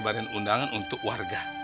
kabarin undangan untuk warga